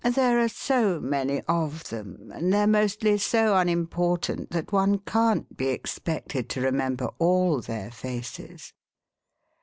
There are so many of them, and they're mostly so unimportant that one can't be expected to remember all their faces."